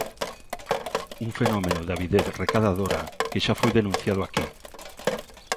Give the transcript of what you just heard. Un fenómeno de avidez recadadora que xa foi denunciado aquí.